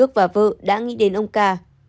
ông ca đã nghĩ đến ông ca